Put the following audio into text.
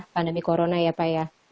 pandemi corona ya pak ya